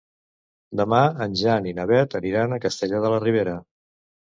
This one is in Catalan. Demà en Jan i na Beth aniran a Castellar de la Ribera.